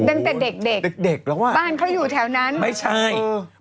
ตั้งแต่เด็กเด็กเด็กแล้วว่ะบ้านเขาอยู่แถวนั้นไม่ใช่เออ